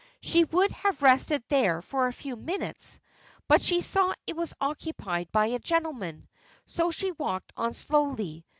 She would have rested there for a few minutes, but she saw it was occupied by a gentleman, so she walked on slowly.